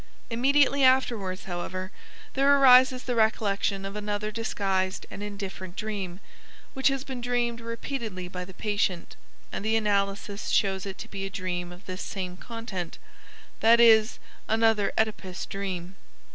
Immediately afterwards, however, there arises the recollection of another disguised and indifferent dream, which has been dreamed repeatedly by the patient, and the analysis shows it to be a dream of this same content that is, another Oedipus dream.